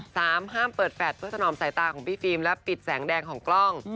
ห้ามเปิดแฟทเพื่อสนองสายตาของพี่ฟิล์มและปิดแสงแดงของกล้อง